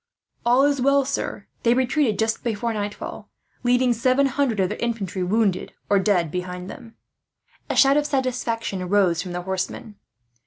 "All is well, sir. They retreated just before nightfall, leaving seven hundred of their infantry wounded or dead behind them." A shout of satisfaction rose from the horsemen.